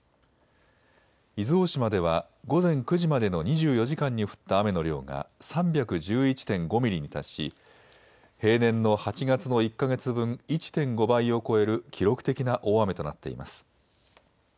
伊豆大島では午前９時までの２４時間に降った雨の量が３１１．５ミリに達し、平年の８月の１か月分１．５倍を超える記録的な大雨となっています。